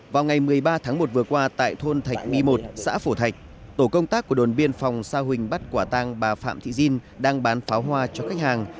vào ngày một mươi ba tháng một vừa qua tại thôn thạch my một xã phổ thạch tổ công tác của đồn biên phòng sa huỳnh bắt quả tang bà phạm thị diên đang bán pháo hoa cho khách hàng